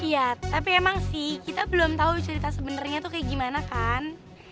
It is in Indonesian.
iya tapi emang sih kita belum tahu cerita sebenarnya tuh kayak gimana kan